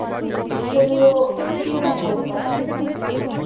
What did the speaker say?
তবুও, দিনটা ভালো কাটুক তোমার।